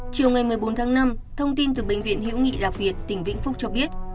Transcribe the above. chiều ngày một mươi bốn tháng năm thông tin từ bệnh viện hiễu nghị lạc việt tỉnh vĩnh phúc cho biết